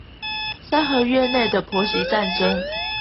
三合院內的婆媳戰爭